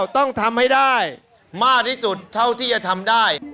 ต้องทำให้ได้มากที่สุดเท่าที่จะทำได้